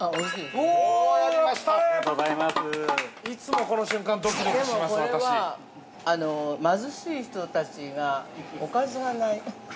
◆でもこれは、貧しい人たちがおかずがない。